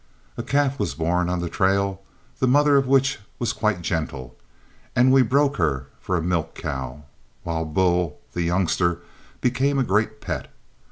A calf was born on the trail, the mother of which was quite gentle, and we broke her for a milk cow, while "Bull," the youngster, became a great pet.